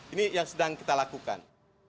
ini yang sedang kita lakukan